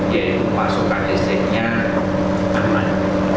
yaitu pasokan listriknya aman